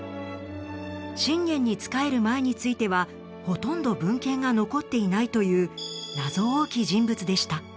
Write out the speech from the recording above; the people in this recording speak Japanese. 信玄に仕える前についてはほとんど文献が残っていないという謎多き人物でした。